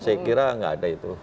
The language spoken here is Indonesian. saya kira nggak ada itu